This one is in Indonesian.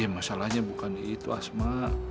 masalahnya bukan itu asma